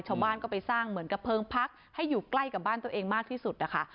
ชาวบ้านก็ไปสร้างเหมือนกับเพิงพักให้อยู่ใกล้กับบ้านตัวเองมากที่สุดนะคะ